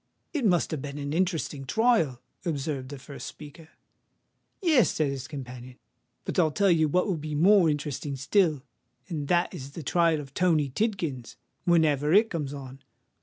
"It must have been an interesting trial," observed the first speaker. "Yes," said his companion; "but I'll tell you what will be more interesting still—and that is the trial of Tony Tidkins, whenever it comes on.